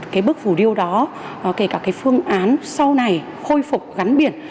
cái bức phủ điêu đó kể cả cái phương án sau này khôi phục gắn biển